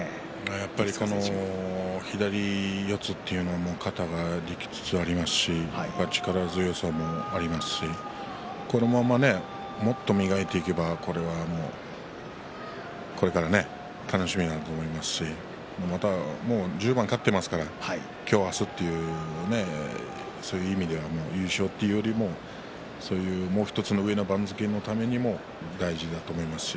やっぱり左四つという型ができつつありますし力強さもありますしこのままもっと磨いていけばこれはこれから楽しみだと思いますしもう１０番勝っていますから今日明日、そういう意味では優勝というよりももう１つの上の番付のためにも大事だと思います。